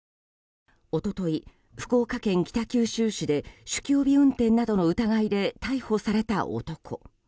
一昨日、福岡県北九州市で酒気帯び運転などの疑いで逮捕された男。